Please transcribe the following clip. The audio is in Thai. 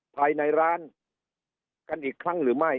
ภายในร้านกันอีกครั้งหรือไม่